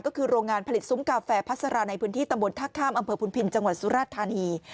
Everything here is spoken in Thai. ก็คือโรงงานผลิตซุ้มกาแฟพัสราในพื้นที่ตำบลท่าข้ามอำเภอพุนพินจังหวัดสุราชธานี